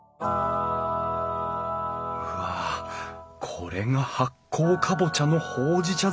うわこれが発酵カボチャのほうじ茶